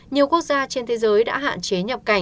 nhiều quốc gia trên thế giới đã hạn chế nhập cảnh